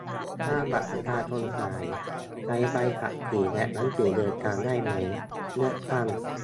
ถ้าบัตรประชาชนหาย ใช้ใบขับขี่และหนังสือเดินทางได้ไหม ? เลือกตั้ง